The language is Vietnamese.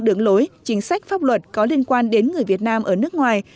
đường lối chính sách pháp luật có liên quan đến người việt nam ở nước ngoài